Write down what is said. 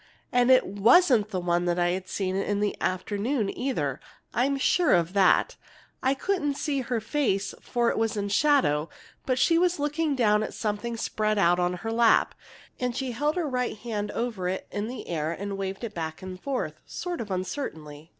And it wasn't the one I'd seen in the afternoon, either. I'm sure of that. I couldn't see her face, for it was in shadow, but she was looking down at something spread out on her lap. And she held her right hand over it in the air and waved it back and forth, sort of uncertainly.